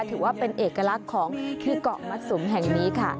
ถือว่าเป็นเอกลักษณ์ของที่เกาะมัดสุมแห่งนี้ค่ะ